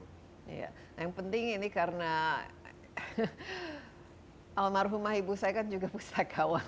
iya yang penting ini karena almarhumah ibu saya kan juga pustakawan